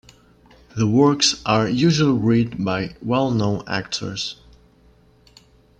The works are usually read by well-known actors.